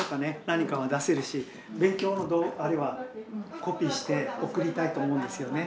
何かは出せるし勉強のあれはコピーして送りたいと思うんですよね。